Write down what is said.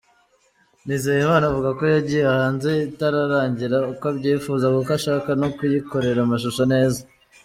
Nizeyimana avuga ko yagiye hanze itararangira uko abyifuza kuko ashaka no kuyikorera amashusho meza.